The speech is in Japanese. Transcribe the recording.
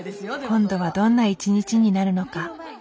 今度はどんな一日になるのか。